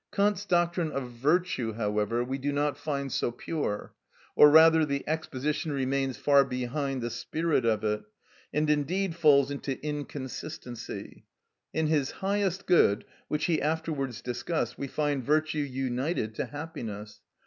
Kant's doctrine of virtue, however, we do not find so pure; or rather the exposition remains far behind the spirit of it, and indeed falls into inconsistency. In his highest good, which he afterwards discussed, we find virtue united to happiness.